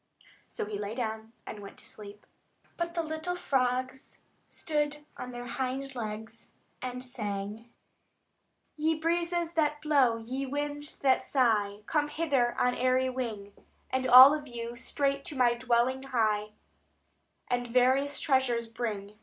So he lay down, and went to sleep. But the little frog stood on her hind legs in the window and sang: "Ye breezes that blow, ye winds that sigh, Come hither on airy wing; And all of you straight to my dwelling hie, And various treasures bring.